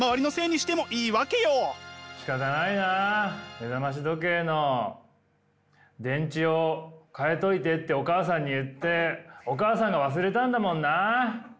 目覚まし時計の電池を替えといてってお母さんに言ってお母さんが忘れたんだもんな。